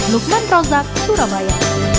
lukman prozak surabaya